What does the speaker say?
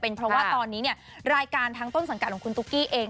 เพราะว่าตอนนี้เนี่ยรายการทางต้นสังกัดของคุณตุ๊กกี้เอง